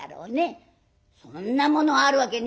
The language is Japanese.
「そんなものあるわけねえじゃねえか」。